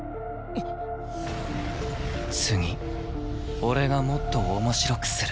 次俺がもっと面白くする。